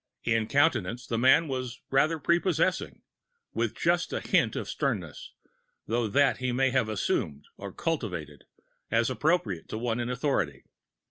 In countenance the man was rather prepossessing, with just a hint of sternness; though that he may have assumed or cultivated, as appropriate to one in authority.